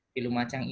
di lumajang ini